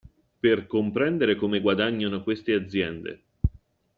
Per comprendere come guadagnano queste aziende.